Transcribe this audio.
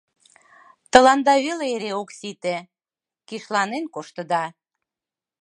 Тыланда веле эре ок сите — кишланен коштыда.